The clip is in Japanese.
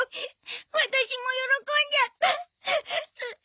私も喜んじゃったうっ